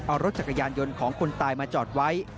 เอารถจักรยานยนต์ของคนตายมาจอดไว้